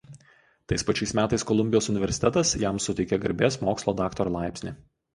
Tais pačiais metais Kolumbijos universitetas jam suteikė garbės mokslo daktaro laipsnį.